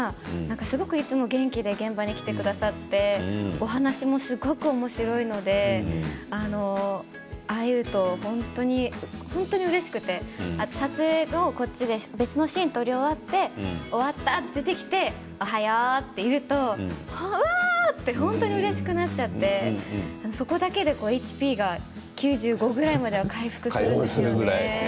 すごくいつも元気で現場に来てくださってお話もすごくおもしろいのでああ言うと本当にうれしくて撮影を別のシーン取り終わって終わったと出てきておはようっているとうわーって本当にうれしくなっちゃってそこだけでＨＰが９５ぐらいまで回復するんですよね。